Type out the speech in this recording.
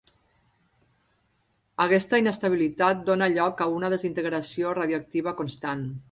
Aquesta inestabilitat dóna lloc a una desintegració radioactiva constant.